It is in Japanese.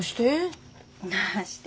なして？